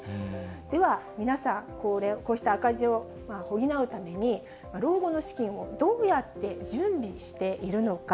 では皆さん、こうした赤字を補うために、老後の資金をどうやって準備しているのか。